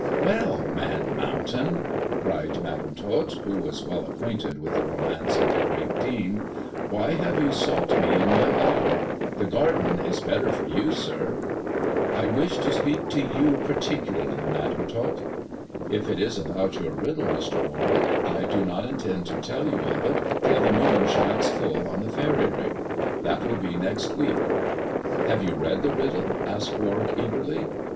"Well, Man Mountain," cried Madam Tot, who was well acquainted with the romance of the great Dean, why have you sought me in my bower 1 The garden is better for you, sir." " I wish to speak to you particularly, Madam Tot." "If it is about your riddle, Mr. Warwick, I do not intend to tell you of it till the moon shines full on the Faery King. That will be next week." " Have you read the riddle 1 " asked Warwick eagerly.